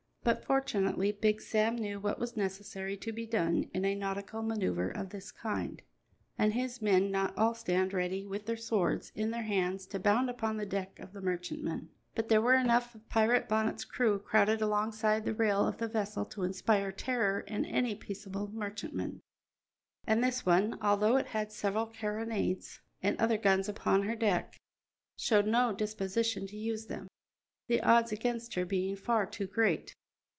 But fortunately Big Sam knew what was necessary to be done in a nautical manoeuvre of this kind, and his men did not all stand ready with their swords in their hands to bound upon the deck of the merchantman. But there were enough of Pirate Bonnet's crew crowded alongside the rail of the vessel to inspire terror in any peaceable merchantman. And this one, although it had several carronades and other guns upon her deck, showed no disposition to use them, the odds against her being far too great.